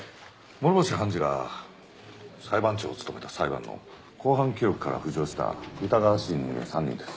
諸星判事が裁判長を務めた裁判の公判記録から浮上した疑わしい人間３人です。